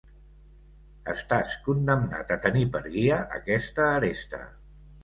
-Estàs condemnat a tenir per guia aquesta aresta…